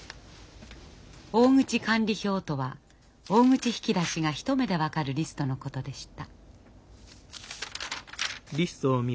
大口管理表とは大口引き出しが一目で分かるリストのことでした。